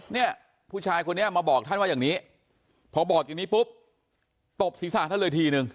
เนี่ยผู้ชายคนนี้มาบอกท่านว่าอย่างนี้พอบอกอย่างนี้ปุ๊บตบศีรษะท่านเลยทีนึง